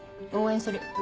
応援する。